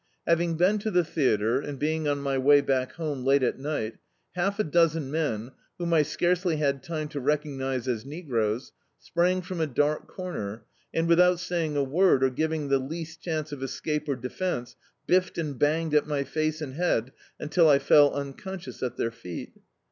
Having been to the theatre, and being on my way back home late at night, half a dozen men, whom I scarcely had time to recognise as negroes, sprang from a dark comer, and, without saying a word, or giving the least chance of escape or defence, biffed and banged at my face and head until I fell unconscious at their feet.